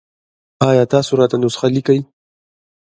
ایا تاسو راته نسخه لیکئ؟